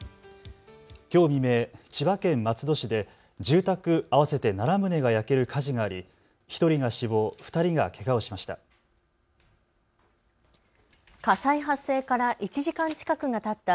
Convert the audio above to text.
きょう未明、千葉県松戸市で住宅合わせて７棟が焼ける火事があり１人が死亡、２人がけがをしました。